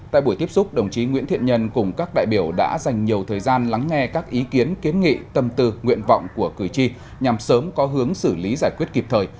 tại buổi tiếp xúc đồng chí nguyễn thiện nhân cùng các đại biểu đã dành nhiều thời gian lắng nghe các ý kiến kiến nghị tâm tư nguyện vọng của cử tri nhằm sớm có hướng xử lý giải quyết kịp thời